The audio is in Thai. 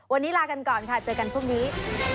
วันนี้ลากันก่อนค่ะเจอกันพรุ่งนี้